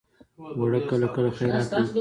اوړه کله کله خیرات هم کېږي